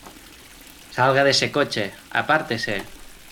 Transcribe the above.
¡ Salga de ese coche! ¡ apártese !